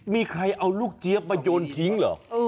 มีใครเอาลูกเจี๊ยบมาโยนทิ้งเหรอ